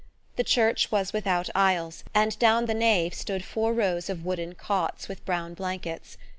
The church was without aisles, and down the nave stood four rows of wooden cots with brown blankets.